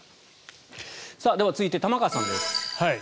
では、続いて玉川さんです。